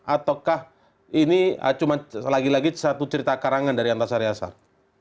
ataukah ini cuma lagi lagi satu cerita karangan dari antasari asar